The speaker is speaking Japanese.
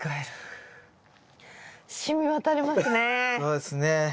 そうですね。